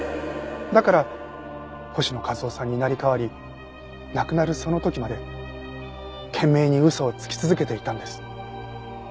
だから星野一男さんに成り代わり亡くなるその時まで懸命に嘘をつき続けていたんです。